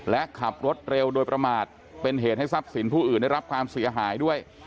และขับรถเร็วโดยประมาทเป็นเหตุให้ทรัพย์สินผู้อื่นได้รับความเสียหายด้วย